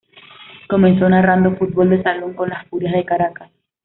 Comenzó narrando fútbol de Salón con la furias de Caracas.